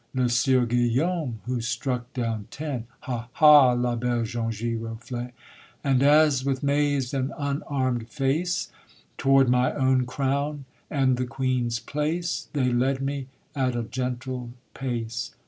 Le Sieur Guillaume, who struck down ten; Hah! hah! la belle jaune giroflée. And as with mazed and unarm'd face, Toward my own crown and the Queen's place, They led me at a gentle pace.